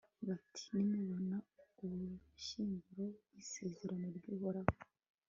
bati nimubona ubushyinguro bw'isezerano ry'uhoraho